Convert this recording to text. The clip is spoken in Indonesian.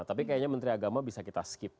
tapi kayaknya menteri agama bisa kita skip